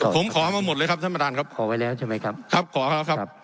ผมขอมาหมดเลยครับท่านประธานครับขอไว้แล้วใช่ไหมครับครับขอแล้วครับ